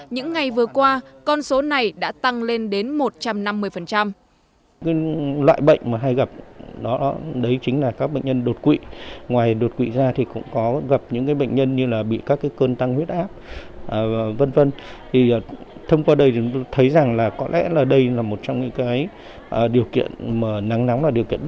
những ngày vừa qua con số này đã tăng lên đến một trăm năm mươi